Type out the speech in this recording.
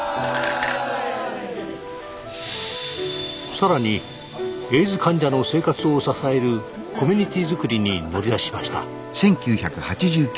さらにエイズ患者の生活を支えるコミュニティーづくりに乗り出しました。